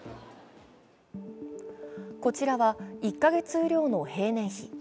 こちらは１か月雨量の平年比。